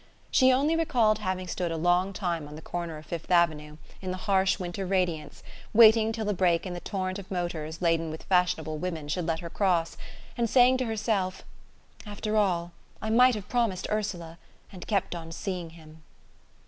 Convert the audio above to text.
She only recalled having stood a long time on the corner of Fifth Avenue, in the harsh winter radiance, waiting till a break in the torrent of motors laden with fashionable women should let her cross, and saying to herself: "After all, I might have promised Ursula... and kept on seeing him...."